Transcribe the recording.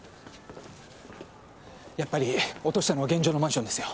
やっぱり落としたのは現場のマンションですよ。